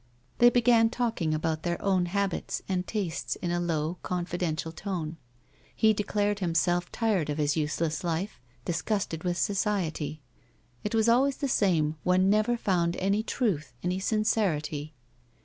They began talking about their own habits and tastes in a low, confidential tone. He declared himself tired of his useless life, disgusted with society ; it was always the same, one never found any truth, any sincerity.